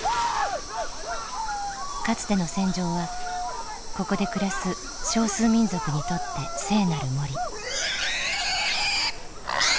かつての戦場はここで暮らす少数民族にとって聖なる森。